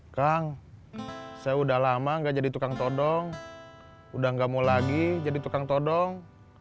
kang saya udah lama gak jadi tukang todong udah gak mau lagi jadi tukang todong